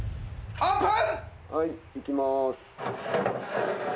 オープン！